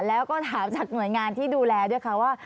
แล้วก็ถามจากหน่วยงานที่ดูแลด้วยค่ะว่า